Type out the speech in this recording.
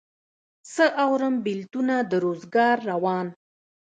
څه اورم بېلتونه د روزګار روان